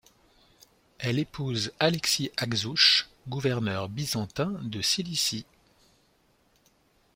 Elle épouse Alexis Axouch, gouverneur byzantin de Cilicie.